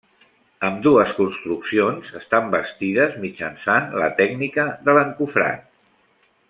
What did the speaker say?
Ambdues construccions estan bastides mitjançant la tècnica de l'encofrat.